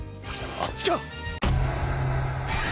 あっちか！